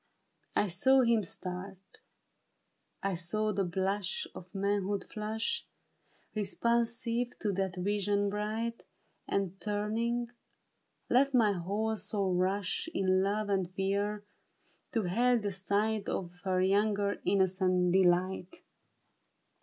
I saw him start ; I saw the blush Of manhood flush Responsive to that vision bright. And turning, let my whole soul rush In love and fear, to hail the sight Of her young innocent deHght.